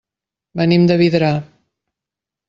Venim de Vidrà.